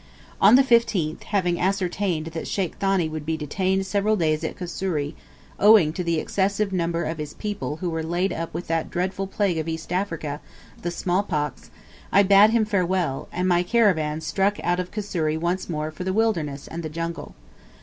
On the 15th, having ascertained that Sheikh Thani would be detained several days at Kusuri, owing to the excessive number of his people who were laid up with that dreadful plague of East Africa, the small pox, I bade him farewell, and my caravan struck out of Kusuri once more for the wilderness and the jungle.